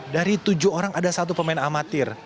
dari tujuh orang ada satu pemain amatir